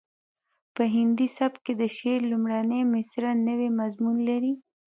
په هندي سبک کې د شعر لومړۍ مسره نوی مضمون لري